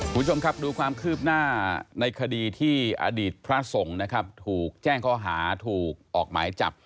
คุณผู้ชมครับดูความคืบหน้าในคดีที่อดีตพระสงฆ์นะครับถูกแจ้งข้อหาถูกออกหมายจับ